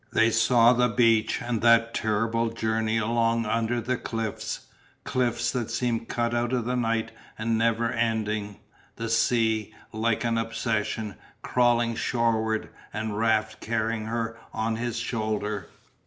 They saw the beach and that terrible journey along under the cliffs, cliffs that seemed cut out of night and never ending, the sea, like an obsession, crawling shoreward, and Raft carrying her on his shoulder.